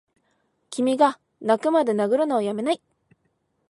君がッ泣くまで殴るのをやめないッ！